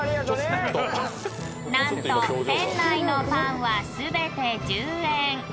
［何と店内のパンは全て１０円］